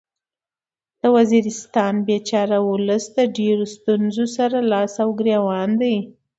د وزیرستان بیچاره ولس د ډیرو ستونځو سره لاس او ګریوان دی